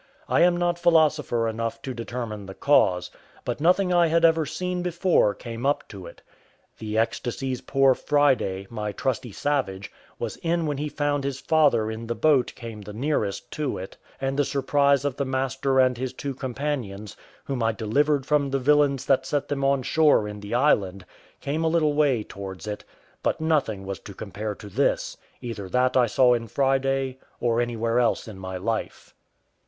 I am not philosopher enough to determine the cause; but nothing I had ever seen before came up to it. The ecstasies poor Friday, my trusty savage, was in when he found his father in the boat came the nearest to it; and the surprise of the master and his two companions, whom I delivered from the villains that set them on shore in the island, came a little way towards it; but nothing was to compare to this, either that I saw in Friday, or anywhere else in my life.